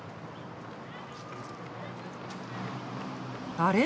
あれ？